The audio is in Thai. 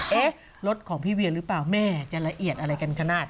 เอ๊ะรถของพี่เวียหรือเปล่าแม่จะละเอียดอะไรกันขนาด